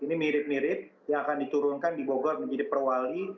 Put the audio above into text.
ini mirip mirip yang akan diturunkan di bogor menjadi perwali